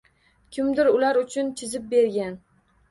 Kimdur ular uchun chizib bergan